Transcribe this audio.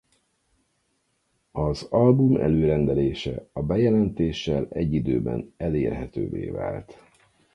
Az album előrendelése a bejelentéssel egy időben elérhetővé vált.